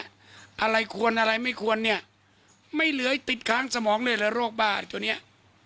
อะไรควรอะไรไม่ควรเนี่ยไม่เหลือติดค้างสมองเลยเหรอโรคบ้าตัวเนี้ย